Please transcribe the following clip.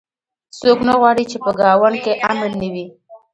څوک نه غواړي چې په ګاونډ کې امن نه وي